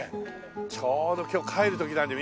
ちょうど今日帰る時なんだよみんな。